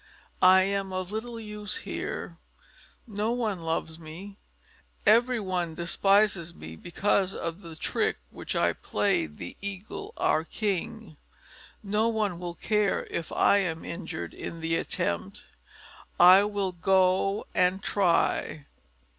I am of little use here. No one loves me. Every one despises me because of the trick which I played the Eagle, our King. No one will care if I am injured in the attempt. I will go and try."